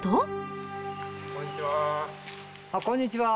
こんにちは。